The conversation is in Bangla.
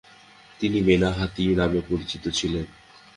তিনি মেনা হাতি নামে পরিচিত ছিলেন।